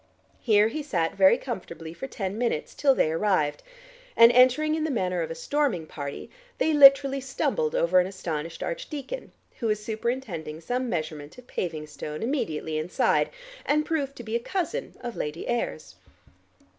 Here he sat very comfortably for ten minutes till they arrived, and entering in the manner of a storming party, they literally stumbled over an astonished archdeacon who was superintending some measurement of paving stone immediately inside, and proved to be a cousin of Lady Ayr's.